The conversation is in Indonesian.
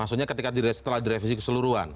maksudnya ketika setelah direvisi keseluruhan